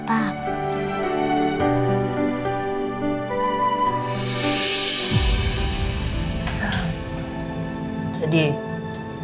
pak sanusi cerita semuanya ke mama